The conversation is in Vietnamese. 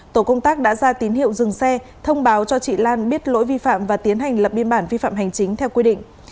tổ công tác đã ra tín hiệu dừng xe thông báo cho chị lan biết lỗi vi phạm và tiến hành lập biên bản vi phạm hành chính theo quy định